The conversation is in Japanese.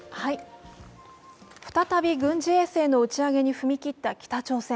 再び軍事衛星の打ち上げに踏み切った北朝鮮。